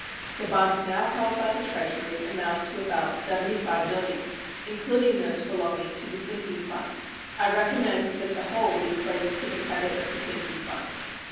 The bonds now held by the Treasury amount to about seventy five millions, including those belonging to the sinking fund. I recommend that the whole be placed to the credit of the sinking fund.